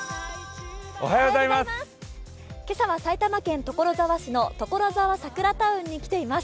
今朝は埼玉県所沢市のところざわサクラタウンに来ています。